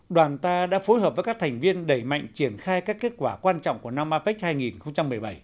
đoàn ta đã phối hợp với các thành viên đẩy mạnh triển khai các kết quả quan trọng của năm apec hai nghìn một mươi bảy